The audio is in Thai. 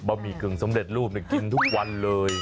หมี่กึ่งสำเร็จรูปกินทุกวันเลย